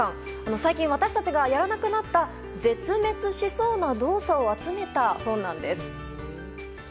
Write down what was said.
最近、私たちがやらなくなった絶滅しそうな動作を集めた本なんです。